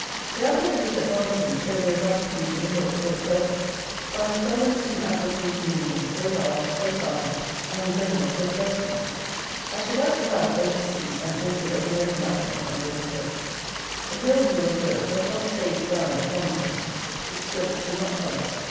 The apple trees at Donnington show their gratitude to the hill for its shelter; for I have seldom seen apple trees in England so large, so fine, and, in general, so flourishing. I should like to have, or to see, an orchard of American apples under this hill. The hill, you will observe, does not shade the ground at Donnington. It slopes too much for that.